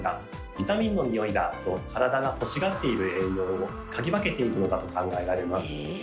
「ビタミンの匂いだ！」と体が欲しがっている栄養を嗅ぎ分けているのだと考えられます。